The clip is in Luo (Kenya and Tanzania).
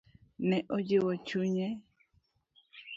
Ne ojiwo chunye.